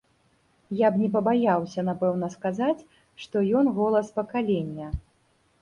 Я б не пабаяўся, напэўна, сказаць, што ён голас пакалення.